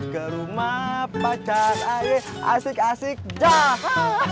ke rumah pacar ayek asik asik jah